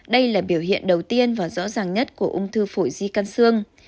đây là biểu hiện đầu tiên và rõ ràng nhất của ung thư phổi di căn xương